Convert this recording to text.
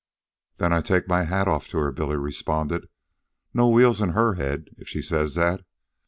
"Then I take my hat off to her," Billy responded. "No wheels in her head if she says that.